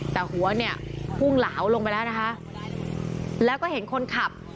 แต่หัวเนี่ยพุ่งเหลาลงไปแล้วนะคะแล้วก็เห็นคนขับ